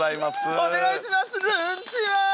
お願いします。